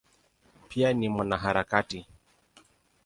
Pia ni mwanaharakati.